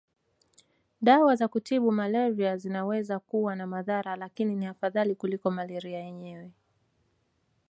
Dawa za kutibu malaria zinaweza kuwa na madhara lakini ni afadhali kuliko malaria yenyewe